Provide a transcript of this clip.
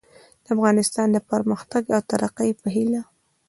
د افغانستان د پرمختګ او ترقي په هیله